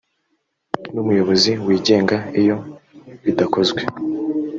n umuyobozi wigenga iyo bidakozwe